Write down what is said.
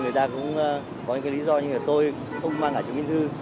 người ta cũng có những lý do như là tôi không mang cả chủ nghĩa thư